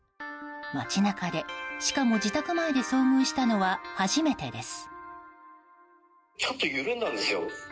街中で、しかも自宅前で遭遇したのは初めてです。